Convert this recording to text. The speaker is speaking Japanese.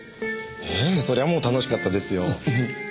ええそりゃもう楽しかったですよ。